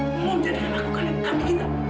mau menjadikan aku kandeng kami hitam